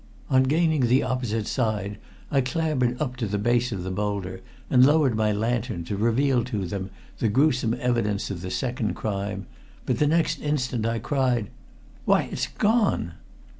On gaining the opposite side I clambered up to the base of the boulder and lowered my lantern to reveal to them the gruesome evidence of the second crime, but the next instant I cried "Why! It's gone!"